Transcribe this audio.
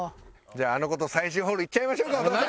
じゃああの娘と最終ホール行っちゃいましょうかお父さん。